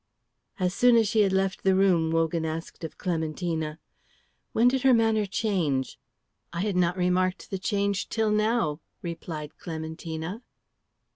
As soon as she had left the room Wogan asked of Clementina, "When did her manner change?" "I had not remarked the change till now," replied Clementina.